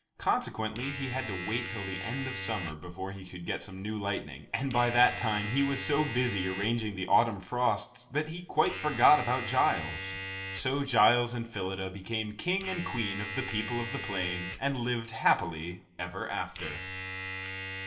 Consequently, he had to wait till the end of summer before he could get some new lightning, and by that time, he was so busy arranging the autumn frosts that he quite forgot about Giles. So Giles and Phyllida became King and Queen of the people of the plain and lived happily ever after.